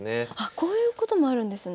こういうこともあるんですね。